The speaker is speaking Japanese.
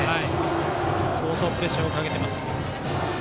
相当プレッシャーをかけてます。